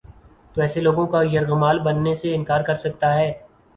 تو ایسے لوگوں کا یرغمال بننے سے انکار کر سکتا ہے۔